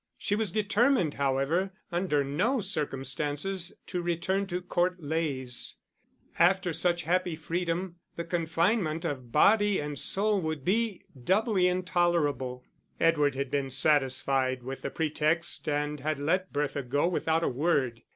She was determined, however, under no circumstances, to return to Court Leys: after such happy freedom the confinement of body and soul would be doubly intolerable. Edward had been satisfied with the pretext and had let Bertha go without a word.